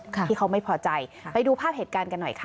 ที่เขาไม่พอใจไปดูภาพเหตุการณ์กันหน่อยค่ะ